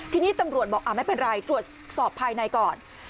ทีนี้ตำรวจบอกไม่เป็นไรตรวจสอบภายในก่อน